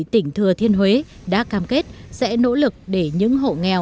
tỉnh thừa thiên huế đã cam kết sẽ nỗ lực để những hộ nghèo